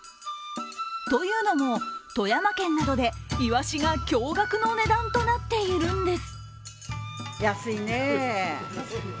というのも、富山県などでイワシが驚がくの値段となっているんです。